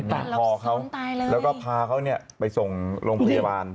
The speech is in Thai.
จุดตัดหลอกสวนตายเลยแล้วก็พาเขาไปส่งโรงพยาบาล